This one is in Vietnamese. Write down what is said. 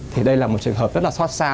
thì đây là một trường hợp rất là xót xa